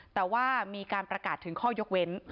แต่ว่ามีการประกาศถึงข้อยกเว้น